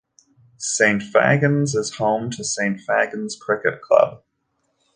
Saint Fagans is home to Saint Fagans Cricket Club.